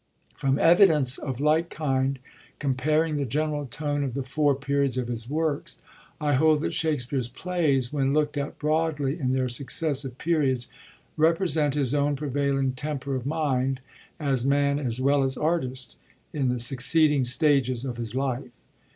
From evidence of like kind, comparing the general tone of the Four Periods of his works, I hold that Shakspere's plays, when lookt at broadly in their successive Periods, represent his own prevailing temper of mind, as man as well as artist, in the succeeding stages of his life.